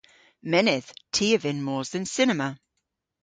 Mynnydh. Ty a vynn mos dhe'n cinema.